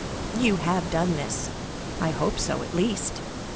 You have done this—I hope so, at least."